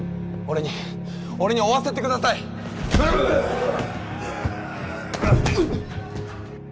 俺に俺に追わせてください！うっ！